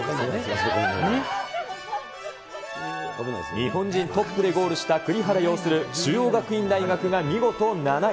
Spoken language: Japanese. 日本人トップでゴールした栗原擁する中央学院大学が見事７位。